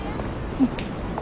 うん。